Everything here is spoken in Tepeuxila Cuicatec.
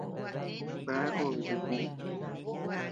Bea obe chikuʼu.